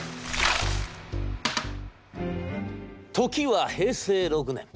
「時は平成６年。